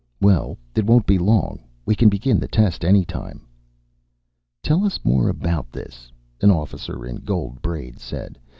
"Well, it won't be long. We can begin the test any time." "Tell us more about this," an officer in gold braid said.